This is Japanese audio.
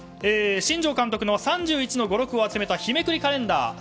新庄監督の３１の語録を集めた日めくりカレンダー。